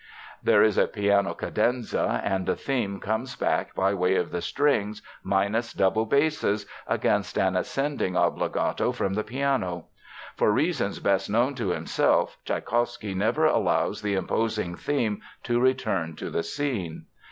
There is a piano cadenza, and the theme comes back by way of the strings, minus double basses, against an ascending obbligato from the piano. For reasons best known to himself, Tschaikowsky never allows this imposing theme to return to the scene.